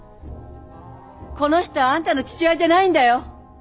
この人はあんたの父親じゃないんだよ！